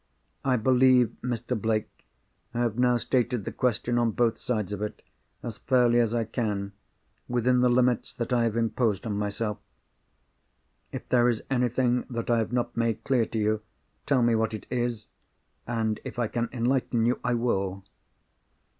I believe, Mr. Blake, I have now stated the question, on both sides of it, as fairly as I can, within the limits that I have imposed on myself. If there is anything that I have not made clear to you, tell me what it is—and if I can enlighten you, I will."